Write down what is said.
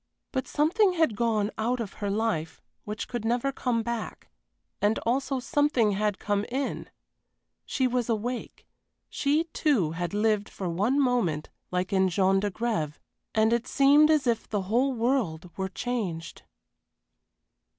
But something had gone out of her life which could never come back, and also something had come in. She was awake she, too, had lived for one moment like in Jean d'Agrève and it seemed as if the whole world were changed.